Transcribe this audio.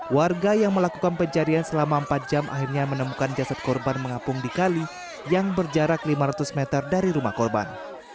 warga yang melakukan pencarian selama empat jam akhirnya menemukan jasad korban mengapung di kali yang berjarak lima ratus meter dari rumah korban